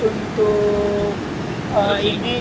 rutenya itu sebenarnya enak